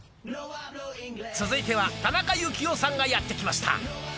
続いては田中幸雄さんがやってきました。